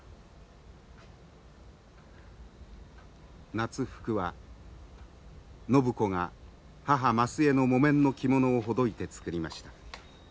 夏服は靖子が母増枝の木綿の着物をほどいて作りました。